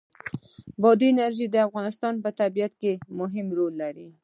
بادي انرژي د افغانستان په طبیعت کې مهم رول لري.